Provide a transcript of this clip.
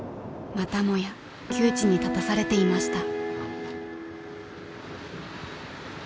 またもや窮地に立たされていました］